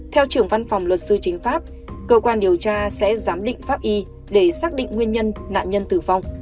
theo trưởng văn phòng luật sư chính pháp cơ quan điều tra sẽ giám định pháp y để xác định nguyên nhân nạn nhân tử vong